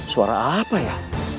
suara apa ya